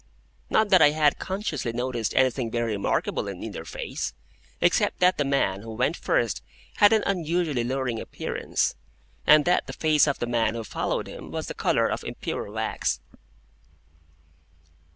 Not that I had consciously noticed anything very remarkable in either face, except that the man who went first had an unusually lowering appearance, and that the face of the man who followed him was of the colour of impure wax.